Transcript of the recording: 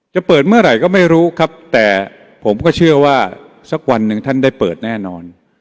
จะเปิดเมื่อไหร่ก็ไม่รู้ครับแต่ผมก็เชื่อว่าสักวันหนึ่งท่านได้เปิดแน่นอน